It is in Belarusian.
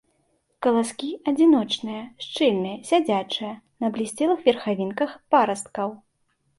Каласкі адзіночныя, шчыльныя, сядзячыя, на аблісцелых верхавінках парасткаў.